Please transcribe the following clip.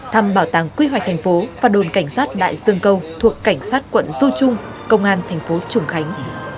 thăm bảo tàng quy hoạch tp và đồn cảnh sát đại dương câu thuộc cảnh sát quận dô trung công an tp trung khánh